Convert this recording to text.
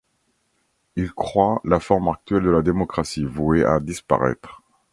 Il croit la forme actuelle de la démocratie vouée à disparaître.